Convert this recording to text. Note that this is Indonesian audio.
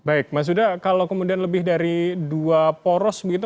baik mas huda kalau kemudian lebih dari dua poros begitu